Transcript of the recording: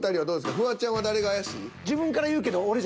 フワちゃんは誰が怪しい？